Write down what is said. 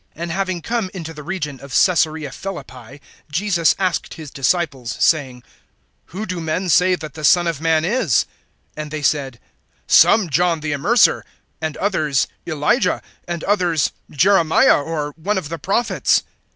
(13)And having come into the region of Caesarea Philippi, Jesus asked his disciples, saying: Who do men say that the Son of man is[16:13]? (14)And they said: Some, John the Immerser; and others, Elijah; and others, Jeremiah, or one of the prophets.